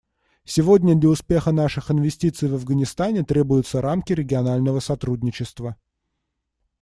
Сегодня для успеха наших инвестиций в Афганистане требуются рамки регионального сотрудничества.